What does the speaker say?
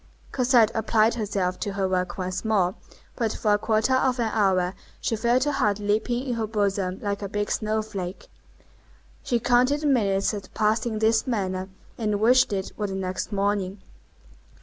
Cosette applied herself to her work once more, but for a quarter of an hour she felt her heart leaping in her bosom like a big snow flake. She counted the minutes that passed in this manner, and wished it were the next morning.